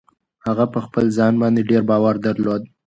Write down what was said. هغه په خپل ځان باندې ډېر باور درلود.